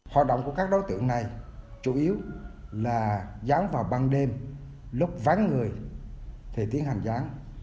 hoạt động của các đối tượng này chủ yếu là rán vào ban đêm lúc ván người thì tiến hành rán